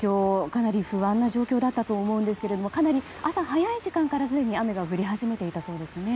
かなり不安な状況だったと思うんですけれどもかなり朝早い時間から、雨が降り始めていたみたいですね。